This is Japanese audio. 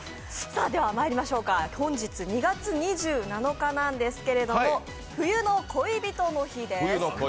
本日２月２７日ですけれども、冬の恋人の日です。